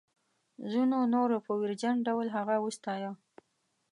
ځینو نورو په ویرجن ډول هغه وستایه.